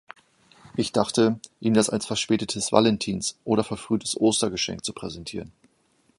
Ich dachte, ihm das als verspätetes Valentinsoder verfrühtes Ostergeschenk zu präsentieren.